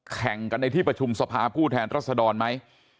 แข่งกันในที่ประชุมสภาผู้แทนรัศดรไหม